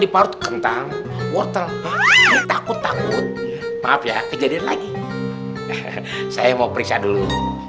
parut kentang wortel takut takut maaf ya kejadian lagi saya mau periksa dulu